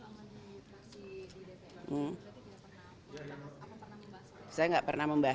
selama ini masih di dpr berarti tidak pernah apa pernah membahas